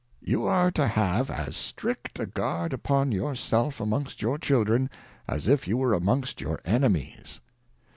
You are to have as strict a Guard upon your self amongst your Children, as if you were"~ainongst your Enewies.